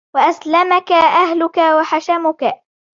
وَأَسْلَمَك أَهْلُك وَحَشَمُك